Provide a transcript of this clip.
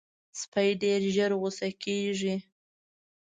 سپي ډېر ژر غصه کېږي.